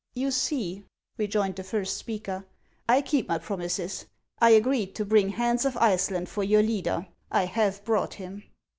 " You see," rejoined the first speaker, " I keep my promises. I agreed to bring Hans of Iceland for your leader. I have brought him."